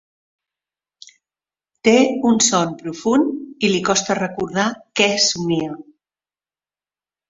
Té un son profund i li costa recordar què somia.